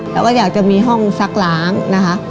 แล้วก็อยากจะมีห้องซักล้างนะคะ